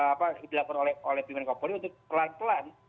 apa dilakukan oleh bimen dan kapolri untuk pelan pelan